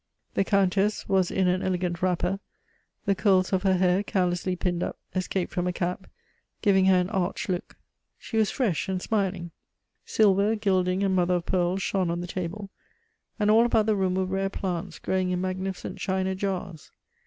The Countess was in an elegant wrapper; the curls of her hair, carelessly pinned up, escaped from a cap, giving her an arch look. She was fresh and smiling. Silver, gilding, and mother of pearl shone on the table, and all about the room were rare plants growing in magnificent china jars.